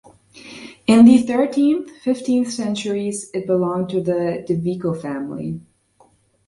In the thirteenth-fifteenth centuries, it belonged to the Di Vico family.